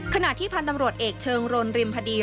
ขณะที่พันธุ์ตำรวจเอกเชิงรนริมพดี